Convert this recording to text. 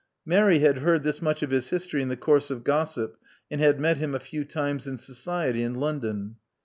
Mary had heard this much of his history in the course of gossip, and had met him a few times in society in London.